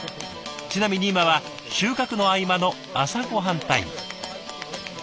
ちなみに今は収穫の合間の朝ごはんタイム。